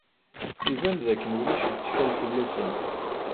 Iban dakken ulac lettkal fell-asen!